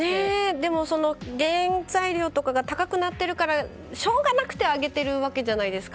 でも、原材料とかが高くなってるからしょうがなくて上げてるわけじゃないですか。